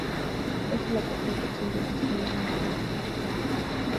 Esta es la cuarta detección de un sistema binario de agujeros negros.